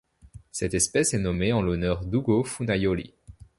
Cette espèce est nommée en l'honneur d'Ugo Funaioli.